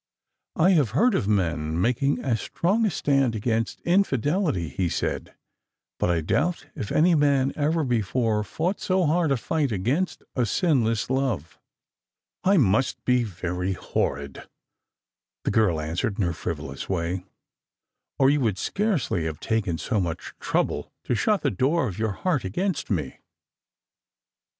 I have heard of men making as strong a stand against in fidelity," he said ;" but I doubt if any man ever before fought so hard a fight against a sinless love." " I must be very horrid," the girl answered, in her frivolous way, " or you would scarcely have taken so much trouble to shut the door of your heart against me."